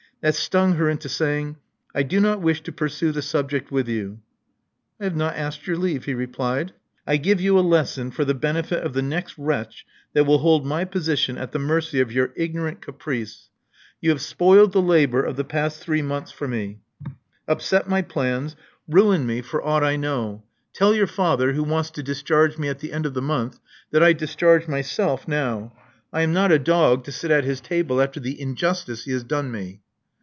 That stung her into saying: I do not wish to pursue the subject with you." I have not asked your leave," he replied. I give you a lesson for the benefit of the next wretch that will hold my position at the mercy of your ignorant caprice. You have spoiled the labor of the past three months for me; upset my plans; ruined me, for Love Among the Artists 55 aught I know. Tell your father, who wants to dis charge me at the end of the month, that I discharge myself now. I am not a dog, to sit at his table after the injustice he has done me."